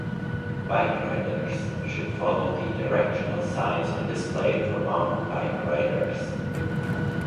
Bike riders should follow the directional signs on display for mountain bike riders.